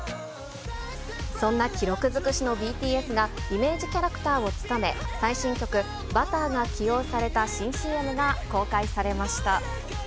そんな記録尽くしのＢＴＳがイメージキャラクターを務め、最新曲、Ｂｕｔｔｅｒが起用された新ＣＭが公開されました。